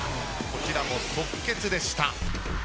こちらも即決でした。